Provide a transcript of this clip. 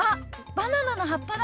バナナの葉っぱだ！